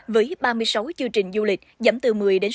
với ba mươi sáu chương trình du lịch giảm từ một mươi sáu mươi